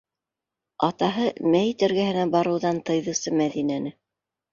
Атаһы мәйет эргәһенә барыуҙан тыйҙысы Мәҙинәне...